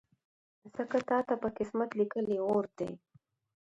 ځکه تاته په قسمت لیکلی اور دی